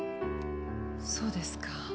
そうですか。